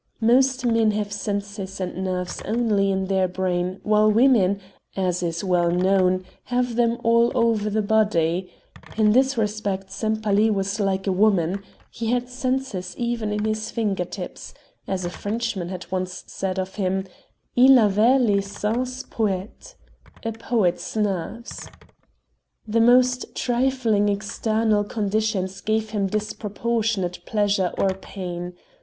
Most men have senses and nerves only in their brain while women, as is well known, have them all over the body; in this respect Sempaly was like a woman. He had senses even in his finger tips as a Frenchman had once said, of him: "il avait les sens poète!" (a poet's nerves). The most trifling external conditions gave him disproportionate pleasure or pain.